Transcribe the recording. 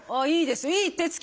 いいですよ